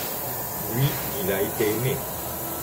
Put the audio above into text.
Lui, il a été aimé.